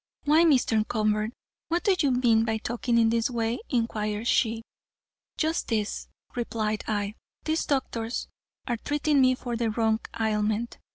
"Why, Mr. Convert, what do you mean by talking in this way?" inquired she. "Just this," replied I, "these doctors are treating me for the wrong ailment.